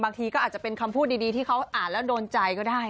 ก็อาจจะเป็นคำพูดดีที่เขาอ่านแล้วโดนใจก็ได้